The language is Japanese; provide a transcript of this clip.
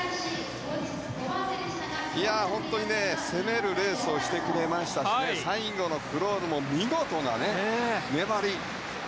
本当にね、攻めるレースをしてくれましたしね最後のクロールも見事な粘り。